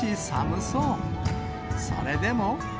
それでも。